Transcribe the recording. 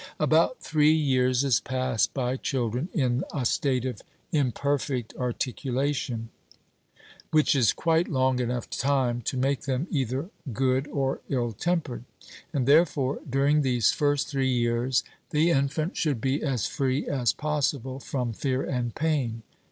About three years is passed by children in a state of imperfect articulation, which is quite long enough time to make them either good or ill tempered. And, therefore, during these first three years, the infant should be as free as possible from fear and pain.